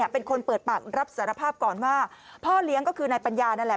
เป็นคนเปิดปากรับสารภาพก่อนว่าพ่อเลี้ยงก็คือนายปัญญานั่นแหละ